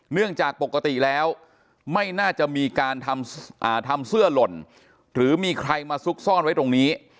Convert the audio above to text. จากปกติแล้วไม่น่าจะมีการทำเสื้อหล่นหรือมีใครมาซุกซ่อนไว้ตรงนี้